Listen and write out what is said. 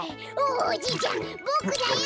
おじいちゃんボクだよ！